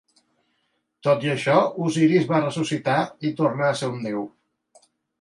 Tot i això, Osiris va ressuscitar i tornà a ser un déu.